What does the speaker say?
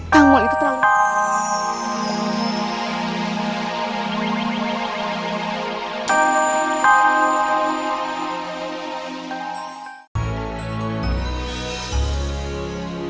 kang mau itu terlalu